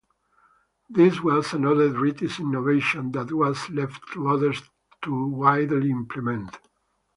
This was another British innovation that was left to others to widely implement.